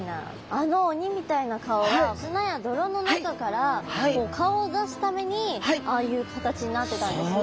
あの鬼みたいな顔は砂や泥の中から顔を出すためにああいう形になってたんですね。